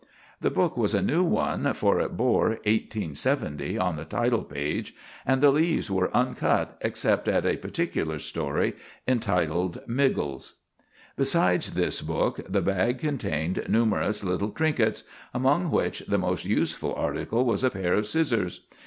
The book was a new one, for it bore "1870" on the title page, and the leaves were uncut except at a particular story entitled "Miggles." Besides this book the bag contained numerous little trinkets, among which the most useful article was a pair of scissors.